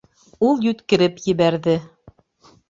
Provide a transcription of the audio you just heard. Ул йүткереп ебәрҙе.